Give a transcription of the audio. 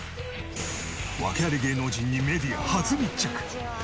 訳あり芸能人にメディア初密着！